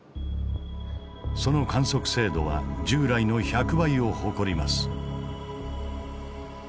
その観測精度は従来の１００倍を誇ります。